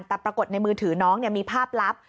แต่ปรากฏในมือถือน้องมีภาพลับ